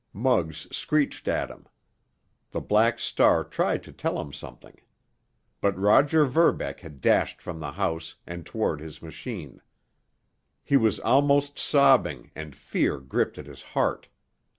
Muggs screeched at him. The Black Star tried to tell him something. But Roger Verbeck had dashed from the house and toward his machine. He was almost sobbing, and fear gripped at his heart.